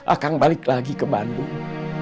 akan balik lagi ke bandung